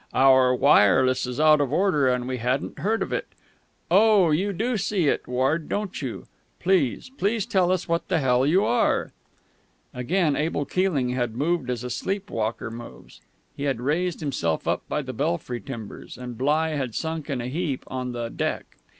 Our wireless is out of order, and we hadn't heard of it.... Oh, you do see it, Ward, don't you?... Please, please tell us what the hell you are!_" Again Abel Keeling had moved as a sleepwalker moves. He had raised himself up by the belfry timbers, and Bligh had sunk in a heap on the deck.